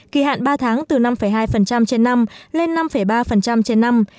kỳ hạn ba tháng từ năm hai trên năm lên năm ba trên năm